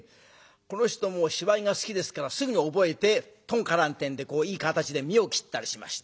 この人もう芝居が好きですからすぐに覚えてトンカランってんでいい形で見得を切ったりしまして。